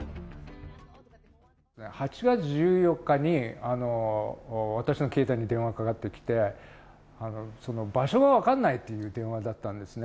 ８月１４日に私の携帯に電話かかってきて、場所が分からないという電話だったんですね。